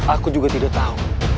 aku juga tidak tahu